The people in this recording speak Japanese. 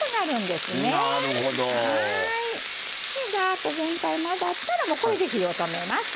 でザーッと全体混ざったらもうこれで火を止めます。